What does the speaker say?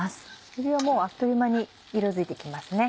えびはあっという間に色づいて来ますね。